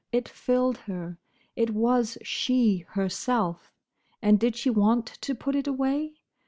It filled her. It was she herself. And did she want to put it away?